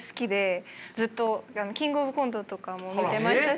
ずっと「キングオブコント」とかも見てましたし。